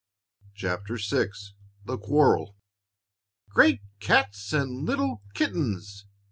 CHAPTER VI THE QUARREL "Great cats and little kittens!"